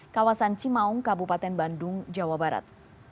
kawasan cimaung kabupaten bandung jawa barat